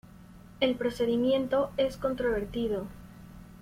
El procedimiento es controvertido.